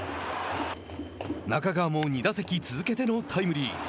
中川も２打席続けてのタイムリー。